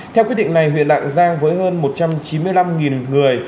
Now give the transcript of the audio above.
theo quyết định này huyện lạng giang với hơn một trăm chín mươi năm người